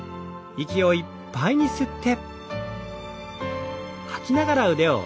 息をいっぱいに吸って。